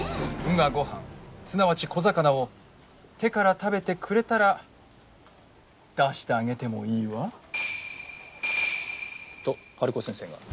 「鵜がご飯すなわち小魚を手から食べてくれたら出してあげてもいいわ」とハルコ先生が。